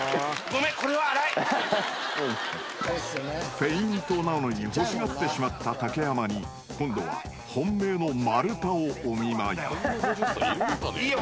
［フェイントなのに欲しがってしまった竹山に今度は本命の丸太をお見舞い］いいよ。